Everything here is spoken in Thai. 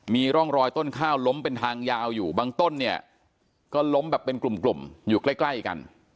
มีร่องรอยต้นข้าวล้มเป็นทางยาวอยู่บางต้นเนี่ยก็ล้มแบบเป็นกลุ่มอยู่ใกล้กัน